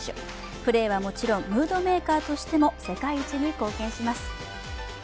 プレーはもちろん、ムードメーカーとしても世界一に貢献します。